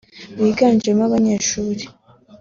Biganjemo abanyeshuri